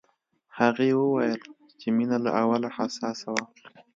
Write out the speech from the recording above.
هغې وویل چې مينه له اوله حساسه وه